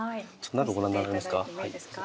中ご覧になられますか。